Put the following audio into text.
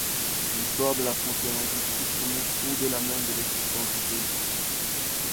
L'histoire de la frontière linguistique remonte au-delà même de l'existence du pays.